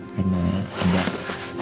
karena ada adik